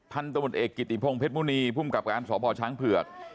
ท่านตมติเอกกิติพงศ์เพชรมูนีพุ่มกรรมการสพช้างเผือก